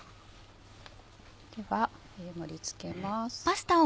では盛り付けます。